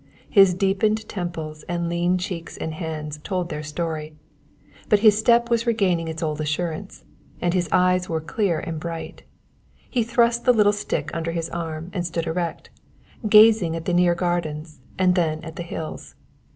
His deepened temples and lean cheeks and hands told their story; but his step was regaining its old assurance, and his eyes were clear and bright. He thrust the little stick under his arm and stood erect, gazing at the near gardens and then at the hills.